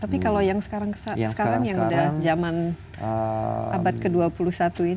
tapi kalau yang sekarang yang udah zaman abad ke dua puluh satu ini